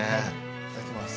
いただきます。